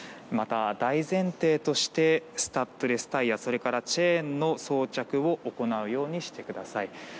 また、大前提としてスタッドレスタイヤ、チェーンの装着を行うようにしてください。